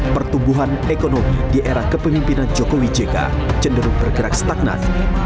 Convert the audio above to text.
pertumbuhan ekonomi di era kepemimpinan jokowi jk cenderung bergerak stagnan